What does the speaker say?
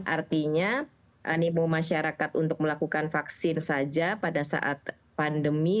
artinya animo masyarakat untuk melakukan vaksin saja pada saat pandemi